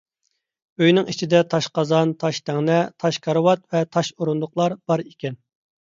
ئۆينىڭ ئىچىدە تاش قازان، تاش تەڭنە، تاش كارىۋات ۋە تاش ئورۇندۇقلار بار ئىكەن.